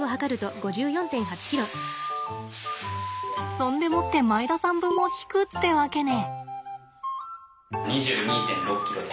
そんでもって前田さん分を引くってわけね。